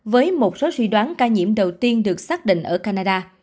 với một số suy đoán ca nhiễm đầu tiên được xác định ở canada